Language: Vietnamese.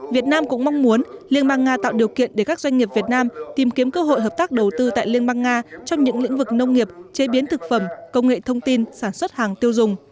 việt nam cũng mong muốn liên bang nga tạo điều kiện để các doanh nghiệp việt nam tìm kiếm cơ hội hợp tác đầu tư tại liên bang nga trong những lĩnh vực nông nghiệp chế biến thực phẩm công nghệ thông tin sản xuất hàng tiêu dùng